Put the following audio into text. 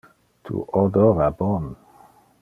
Tu odora bon.